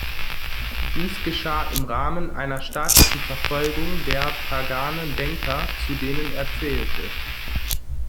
Dies geschah im Rahmen einer staatlichen Verfolgung der paganen Denker, zu denen er zählte.